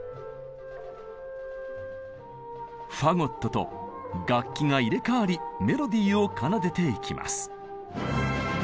と楽器が入れ代わりメロディーを奏でていきます。